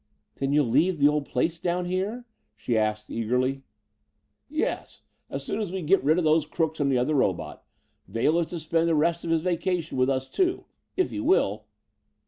"Then you'll leave the old place down here?" she asked eagerly. "Yes, as soon as we get rid of these crooks and the other robot. Vail is to spend the rest of his vacation with us, too if he will."